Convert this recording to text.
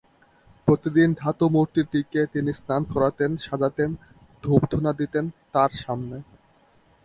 প্রতিদিন ধাতুমূর্তিটিকে তিনি স্নান করাতেন, সাজাতেন, ধূপধুনা দিতেন তাঁর সামনে।